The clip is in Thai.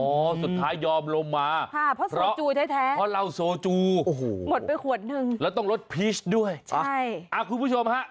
อ๋อสุดท้ายยอมลมมาเพราะเราโซจูหมดไปขวดหนึ่งแล้วต้องลดพีชด้วยคุณผู้ชมฮะ